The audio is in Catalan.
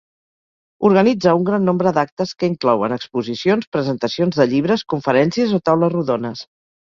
Organitza un gran nombre d'actes que inclouen exposicions, presentacions de llibres, conferències o taules rodones.